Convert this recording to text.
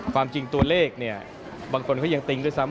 ความจริงตัวเลขเนี่ยบางคนเขายังติ๊งด้วยซ้ำ